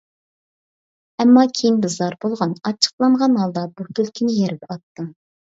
ئەمما كېيىن بىزار بولغان، ئاچچىقلانغان ھالدا بوتۇلكىنى يەرگە ئاتتىم.